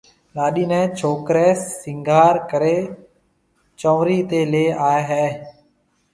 لاڏِي نيَ ڇوڪرَي سينگھار ڪريَ چنورِي تيَ ليَ آئيَ ھيََََ